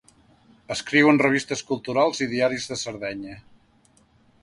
Escriu en revistes culturals i diaris de Sardenya.